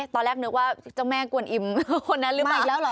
ตอนแรกนึกว่าเจ้าแม่กวนอิมคนนั้นหรือเปล่า